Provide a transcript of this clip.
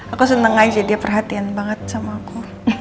aku senang aja dia perhatian banget sama aku